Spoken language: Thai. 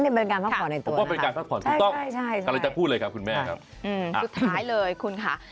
นั่นเป็นการพักผ่อนในตัวนะครับใช่คุณต้องกำลังจะพูดเลยครับคุณแม่ครับสุดท้ายเลยคุณค่ะ